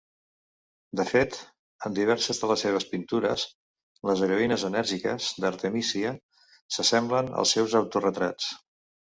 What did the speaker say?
De fet, en diverses de les seves pintures, les heroïnes enèrgiques d'Artemisia s'assemblen als seus autoretrats.